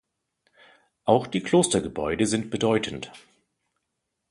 Auch die Klostergebäude sind bedeutend.